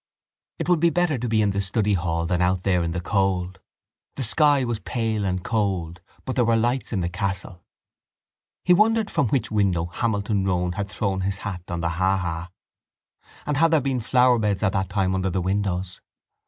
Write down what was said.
It would be better to be in the study hall than out there in the cold. The sky was pale and cold but there were lights in the castle. He wondered from which window Hamilton Rowan had thrown his hat on the haha and had there been flowerbeds at that time under the windows.